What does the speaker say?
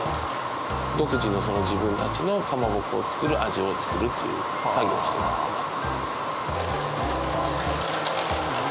独自の自分たちのかまぼこを作る味を作るという作業をしてます。